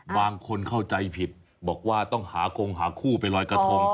บางคนเข้าใจผิดบอกว่าต้องหาคงหาคู่ไปลอยกระทง